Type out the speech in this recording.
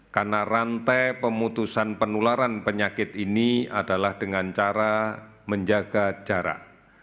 karena rantai pemutusan penularan penyakit ini adalah dengan cara menjaga jarak